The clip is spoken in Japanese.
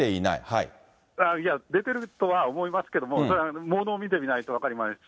いや、出ているとは思いますけれども、ものを見てみないと分かりません。